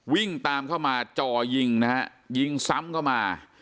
วิ่งตามเข้ามาจ่อยิงนะฮะยิงซ้ำเข้ามา